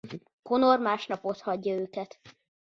Connor másnap otthagyja őket.